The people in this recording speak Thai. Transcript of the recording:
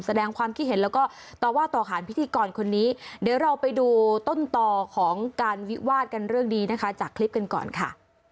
แสดงความคิดเห็นแล้วก็ต่อว่าต่อหารพิธีกรคนนี้เดี๋ยวเราไปดูต้นต่อของการวิวาดกันเรื่องนี้นะคะจากคลิปกันก่อนค่ะ